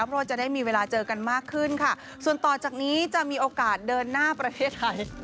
เพราะว่าจะได้มีเวลาเจอกันมากขึ้นค่ะส่วนต่อจากนี้จะมีโอกาสเดินหน้าประเทศไทย